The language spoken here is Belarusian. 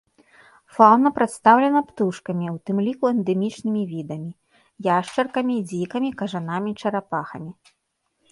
Фаўна прадстаўлена птушкамі, у тым ліку эндэмічнымі відамі, яшчаркамі, дзікамі, кажанамі, чарапахамі.